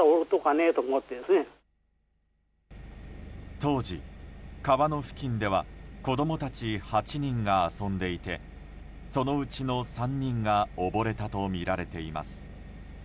当時、川の付近では子供たち８人が遊んでいてそのうちの３人が溺れたとみられています。